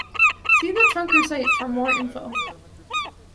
See the Trunker Site for more info.